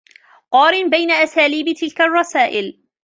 قارن بين أساليب تلك الرسائل.